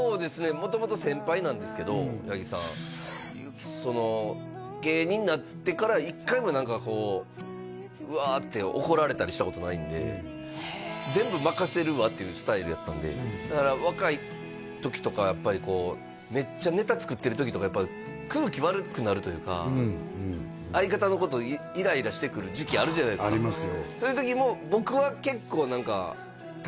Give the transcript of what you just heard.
元々先輩なんですけど八木さんその芸人になってから一回も何かこうウワーって怒られたりしたことないんで全部任せるわっていうスタイルやったんでだから若い時とかはやっぱりこうめっちゃネタ作ってる時とかやっぱ空気悪くなるというか相方のことイライラしてくる時期あるじゃないですかありますよ